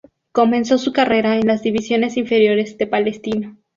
Comenzó su carrera en las divisiones inferiores de Palestino.